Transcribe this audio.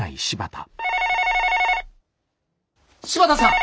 ☎柴田さん！